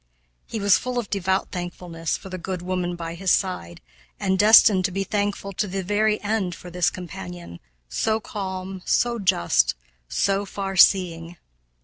He was full of devout thankfulness for the good woman by his side, and destined to be thankful to the very end for this companion, so calm, so just, so far seeing.